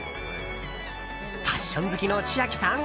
ファッション好きの千秋さん！